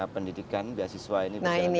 pendidikan beasiswa ini berjalan dengan baik